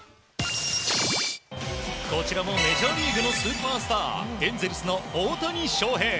こちらもメジャーリーグのスーパースターエンゼルスの大谷翔平。